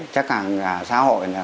chắc cả xã hội là